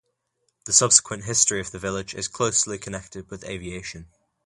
The subsequent history of the village is closely connected with aviation.